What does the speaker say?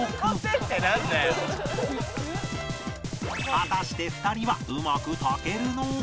果たして２人はうまく炊けるのか？